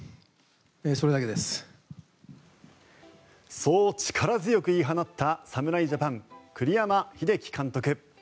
そう力強く言い放った侍ジャパン、栗山英樹監督。